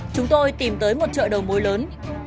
chúng tôi tìm tới một chợ đầu mối lớn